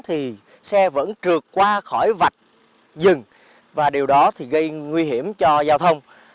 thì xe vẫn trượt qua khỏi vạch dừng và điều đó thì gây nguy hiểm cho giao thông